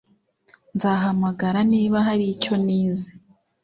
Nzahamagara niba hari icyo nize